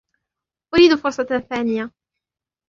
أريد فرصة ثانية.